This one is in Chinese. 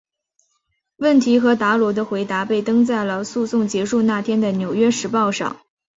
问题和达罗的回答被登在了诉讼结束那天的纽约时报上。